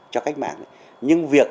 cho cách mạng nhưng việc